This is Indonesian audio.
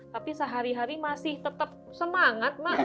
tapi sehari hari masih tetap semangat mak